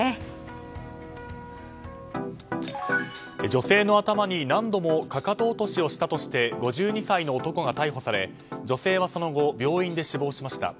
女性の頭に何度もかかと落としをしたとして５２歳の男が逮捕され女性はその後病院で死亡しました。